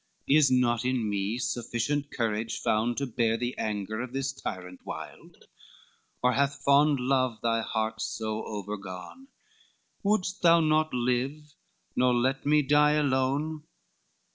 Is not in me sufficient courage found, To bear the anger of this tyrant wild? Or hath fond love thy heart so over gone? Wouldst thou not live, nor let me die alone?"